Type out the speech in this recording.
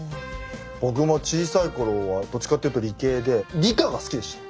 僕も小さい頃はどっちかっていうと理系で理科が好きでした。